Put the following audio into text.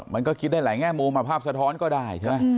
มันก็คิดได้หลายแง่มุมภาพสะท้อนก็ได้ใช่ไหม